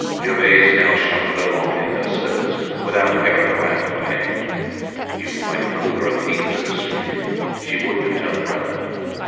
Gervaise now shuffled along in her slippers, without caring a rap for anyone. You might have called her a thief in the street, she wouldn't have turned round.